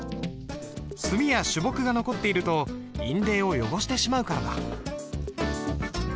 墨や朱墨が残っていると印泥を汚してしまうからだ。